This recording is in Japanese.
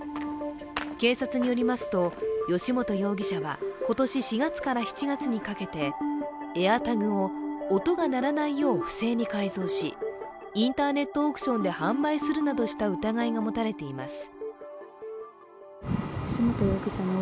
警察によりますと、由元容疑者は今年４月から７月にかけてＡｉｒＴａｇを音が鳴らないよう不正に改造しインターネットオークションで販売するなどした疑いが持たれています。